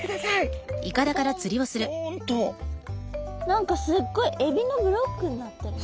何かすっごいエビのブロックになってる。